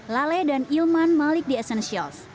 lale dan ilman malik di essentials